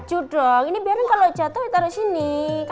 aju dong ini biar kalau jatuh taruh sini